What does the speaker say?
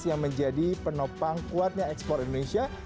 yang menjadi penopang kuatnya ekspor indonesia